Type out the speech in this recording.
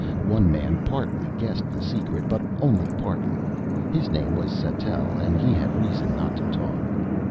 One man partly guessed the secret, but only partly. His name was Sattell and he had reason not to talk.